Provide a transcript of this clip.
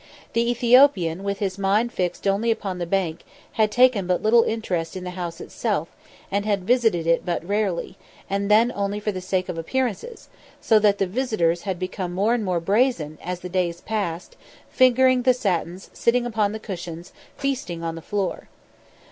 The Ethiopian, with his mind fixed only upon the bank, had taken but little interest in the house itself, and had visited it but rarely, and then only for the sake of appearances; so that the visitors had become more and more brazen, as the days passed, fingering the satins, sitting upon the cushions, feasting on the floor.